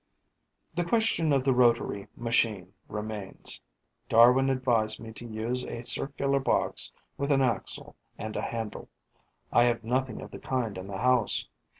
The question of the rotary machine remains. Darwin advised me to use a circular box with an axle and a handle. I have nothing of the kind in the house.